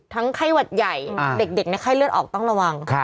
ไข้หวัดใหญ่เด็กในไข้เลือดออกต้องระวัง